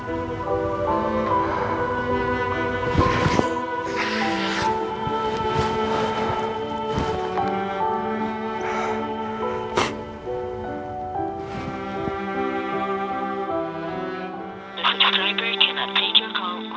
pemilik penerbangan tidak bisa mengambil panggilan sekarang